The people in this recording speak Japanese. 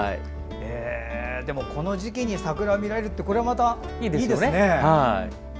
でも、この時期に桜が見られるってこれもまたいいですね。